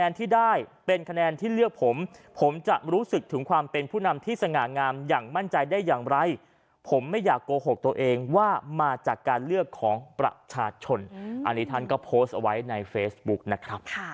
อันนี้ท่านก็โพสต์เอาไว้ในเฟซบุ๊กนะครับ